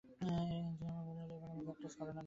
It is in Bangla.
একদিন আমার মনে হল তাকে এবার ব্যাপটাইজ করানো দরকার।